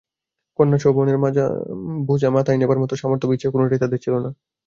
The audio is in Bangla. কন্যাসহ বোনের বোঝা মাথায় নেবার মতো সামর্থ্য বা ইচ্ছা কোনটাই তাঁদের ছিল না।